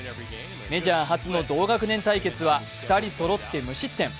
メジャー初の同学年対決は２人そろって無失点。